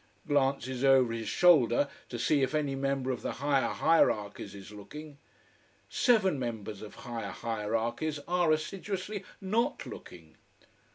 Glances over his shoulder to see if any member of the higher hierarchies is looking. Seven members of higher hierarchies are assiduously not looking.